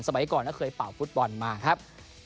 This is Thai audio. สมัยก่อนก็เคยเป่าฟุตบอลมาครับ